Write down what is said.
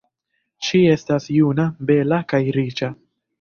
Ŝi estas juna, bela, kaj riĉa.